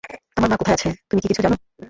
আমার মা কোথায় আছে, তুমি কি কিছু জানো?